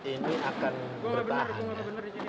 ini akan bertahan ya